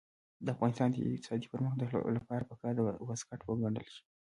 د افغانستان د اقتصادي پرمختګ لپاره پکار ده چې واسکټ وګنډل شي.